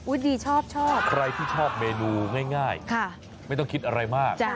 ดีชอบชอบใครที่ชอบเมนูง่ายไม่ต้องคิดอะไรมาก